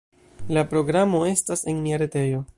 La programo estas en nia retejo.